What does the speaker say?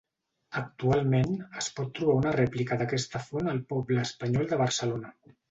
Actualment es pot trobar una rèplica d'aquesta font al Poble Espanyol de Barcelona.